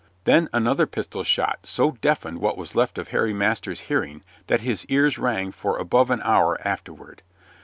Then another pistol shot so deafened what was left of Master Harry's hearing that his ears rang for above an hour afterward.